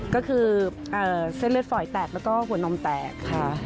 สะเลือดฝอยแตกแล้วก็หัวนมแตกค่ะ